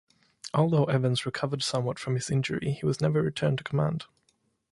Although Evans recovered somewhat from his injury, he was never returned to command.